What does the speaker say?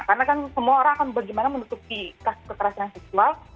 karena kan semua orang akan bagaimana menutupi keterasan seksual